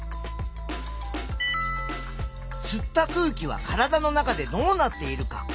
「吸った空気は体の中でどうなっている」か？